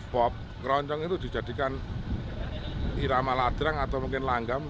pop keroncong itu dijadikan irama ladrang atau mungkin langgam